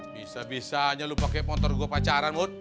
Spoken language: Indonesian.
bisa bisanya lu pake motor gua pacaran mut